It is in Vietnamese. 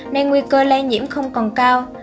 nên nguy cơ lây nhiễm không còn cao